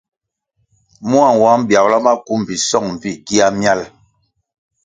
Mua nwang biabla maku mbpi song mbpí gia miál.